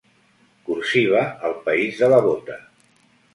Cursiva al país de la bota.